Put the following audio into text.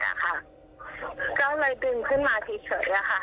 ของแพทย์อ่ะค่ะก็เลยดึงขึ้นมาทีเฉยอ่ะค่ะ